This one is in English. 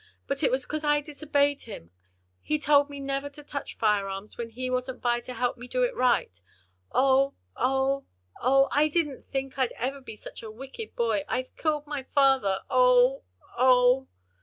but it was 'cause I disobeyed him. He told me never to touch firearms when he wasn't by to help me do it right. Oh, oh, oh, I didn't think I'd ever be such a wicked boy! I've killed my father, oh! oh!"